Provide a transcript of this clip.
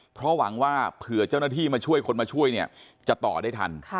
เพราะหวังว่าเผื่อเจ้าหน้าที่มาช่วยคนมาช่วยเนี่ยจะต่อได้ทัน